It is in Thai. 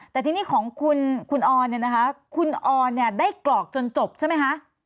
แต่ทีนี้ของคุณออนเนี่ยนะคะคุณออนเนี่ยได้กรอกจนจบใช่ไหมคะ